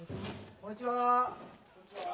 こんにちは。